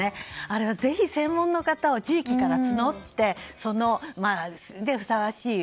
あれはぜひ、専門の方を地域から募って、ふさわしい。